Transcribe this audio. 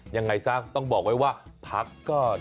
ยังไงซะต้องบอกไว้ว่าพักก็